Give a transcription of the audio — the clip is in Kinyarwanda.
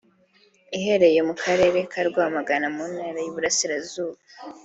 ihereye mu karere ka Rwamagana mu ntara y’iburasirazuba